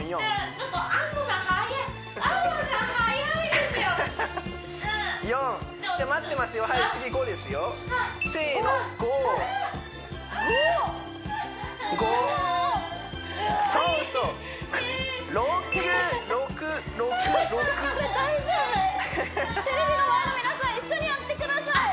ちょっとこれ大丈夫テレビの前の皆さん一緒にやってください